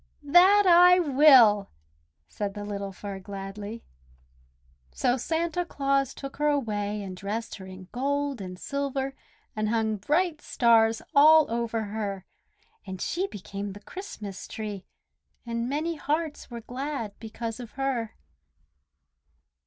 "That I will!" said the little Fir gladly. So Santa Claus took her away and dressed her in gold and silver and hung bright stars all over her; and she became the Christmas Tree, and many hearts were glad because of her.